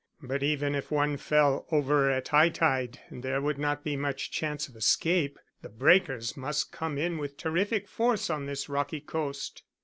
"But even if one fell over at high tide there would not be much chance of escape. The breakers must come in with terrific force on this rocky coast."